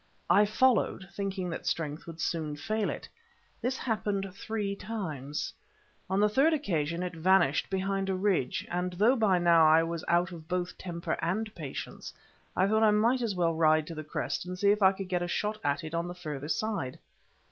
I followed, thinking that strength would soon fail it. This happened three times. On the third occasion it vanished behind a ridge, and, though by now I was out of both temper and patience, I thought I might as well ride to the crest and see if I could get a shot at it on the further side.